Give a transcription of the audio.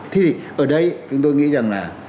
thì ở đây chúng tôi nghĩ rằng là